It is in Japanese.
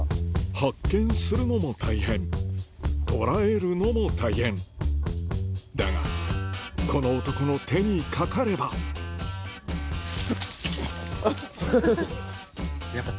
発見するのも大変捕らえるのも大変だがこの男の手にかかればえ！